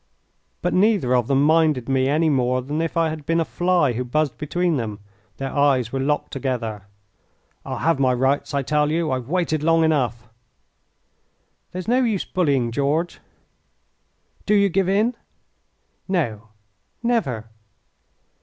But neither of them minded me any more than if I had been a fly who buzzed between them. Their eyes were locked together. "I'll have my rights, I tell you. I've waited long enough." "There's no use bullying, George." "Do you give in?" "No, never!"